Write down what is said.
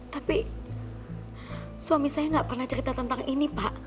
tapi suami saya gak pernah cerita tentang ini pak